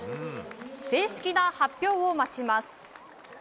正式な発表を待ちます。